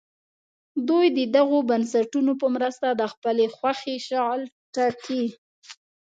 دوی د دغو بنسټونو په مرسته د خپلې خوښې شغل ټاکي.